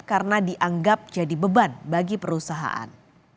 karena dianggap jadi beban bagi perusahaan